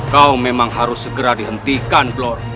kau memang harus segera dihentikan blor